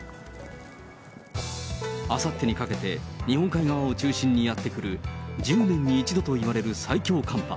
あさってにかけて、日本海側を中心にやって来る、１０年に一度といわれる最強寒波。